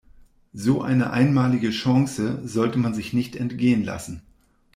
So eine einmalige Chance sollte man sich nicht entgehen lassen.